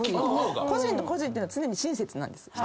個人と個人っていうのは常に親切なんです